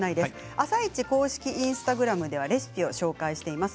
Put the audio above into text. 「あさイチ」公式インスタグラムではレシピを紹介しています。